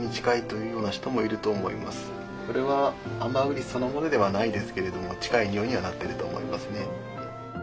これはアンバーグリスそのものではないですけれども近いにおいにはなってると思いますね。